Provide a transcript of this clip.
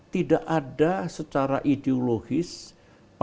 tidak ada secara ideologis pandangan pandangan dalam kehidupan bernegara